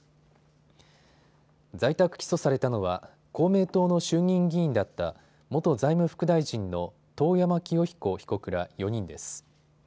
在宅起訴されたのは公明党の衆議院議員だった元財務副大臣の遠山清彦被告ら４人です。